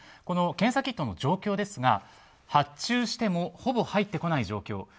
この検査キットの状況ですが発注してもほぼ入ってこない状況。